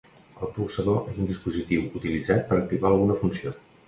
El polsador és un dispositiu utilitzat per activar alguna funció.